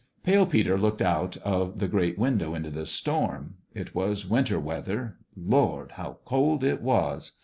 Pale Peter looked out of the great window into the storm. It was winter weather. Lord, how cold it was